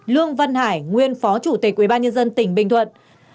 lương văn hải nguyên phó chủ tịch ubnd tỉnh bình thuận